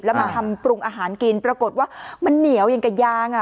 แล้วมันทำปรุงอาหารกินปรากฏว่ามันเหนียวอย่างกับยางอ่ะ